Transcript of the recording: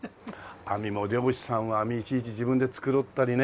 網も漁師さんは網いちいち自分で繕ったりね。